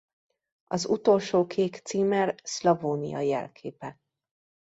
Az utolsó kék címer Szlavónia jelképe.